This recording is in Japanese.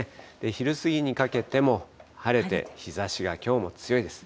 昼過ぎにかけても晴れて日ざしがきょうも強いです。